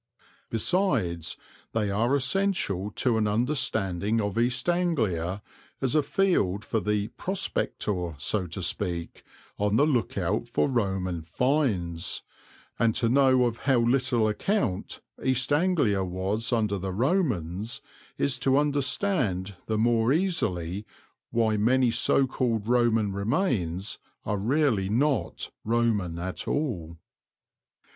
Besides they are essential to an understanding of East Anglia as a field for the "prospector," so to speak, on the look out for Roman "finds," and to know of how little account East Anglia was under the Romans is to understand the more easily why many so called Roman remains are really not Roman at all.